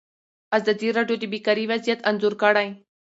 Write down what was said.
ازادي راډیو د بیکاري وضعیت انځور کړی.